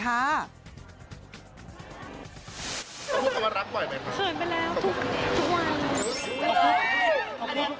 เขาพูดคำว่ารักไหวไหมคะ